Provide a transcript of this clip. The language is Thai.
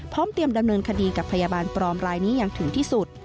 เตรียมดำเนินคดีกับพยาบาลปลอมรายนี้อย่างถึงที่สุด